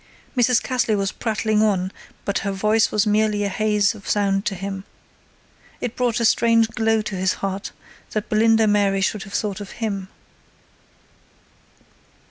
Mrs. Cassley was prattling on, but her voice was merely a haze of sound to him. It brought a strange glow to his heart that Belinda Mary should have thought of him.